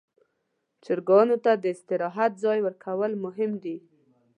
چرګانو ته د استراحت ځای ورکول مهم دي.